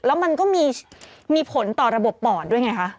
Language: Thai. แล้วมันก็มีผลต่อระบบปอดด้วยไงคะ